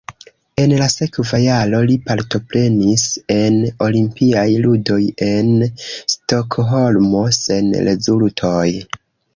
En la sekva jaro li partoprenis en Olimpiaj ludoj en Stokholmo sen rezultoj.